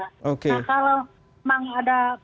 nah kalau memang ada